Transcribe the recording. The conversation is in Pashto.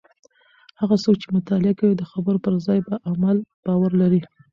هغه څوک چې مطالعه کوي د خبرو پر ځای په عمل باور لري.